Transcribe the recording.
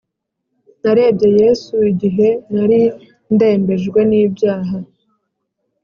Narebye Yesu igihe nari ndembejwe n’ ibyaha